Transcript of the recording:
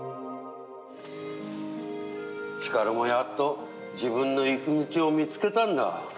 ヒカルもやっと自分の行く道を見つけたんだ。